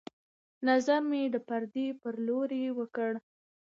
نظر مې د پردې په لورې وکړ